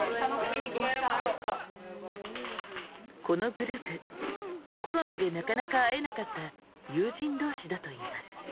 このグループコロナでなかなか会えなかった友人同士だといいます。